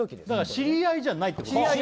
知り合いじゃないってことですね